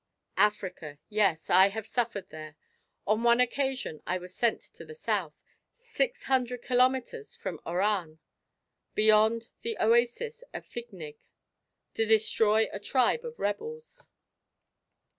"Africa, yes, I have suffered there. On one occasion I was sent to the south, six hundred kilometres from Oran, beyond the oasis of Fignig, to destroy a tribe of rebels....